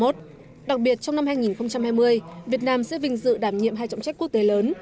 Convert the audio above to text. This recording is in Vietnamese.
đặc biệt trong năm hai nghìn hai mươi việt nam sẽ vinh dự đảm nhiệm hai trọng trách quốc tế lớn